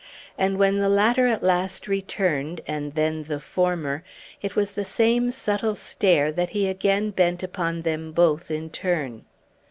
And when the latter at last returned, and then the former, it was the same subtle stare that he again bent upon them both in turn.